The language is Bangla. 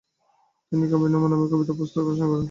তিনি কাবিননামা নামের কবিতা পুস্তক রচনা করেন।